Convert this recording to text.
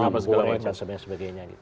apa segala macam sebagainya